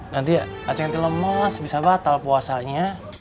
nanti aceh nanti lemes bisa batal puasanya